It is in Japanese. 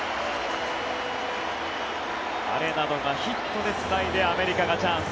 アレナドがヒットでつないでアメリカがチャンス。